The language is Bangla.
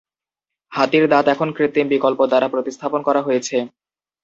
হাতির দাঁত এখন কৃত্রিম বিকল্প দ্বারা প্রতিস্থাপন করা হয়েছে।